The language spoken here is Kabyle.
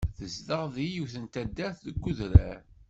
Tezdeɣ deg yiwet n taddart deg udrar.